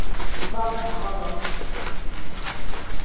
বল না, বল।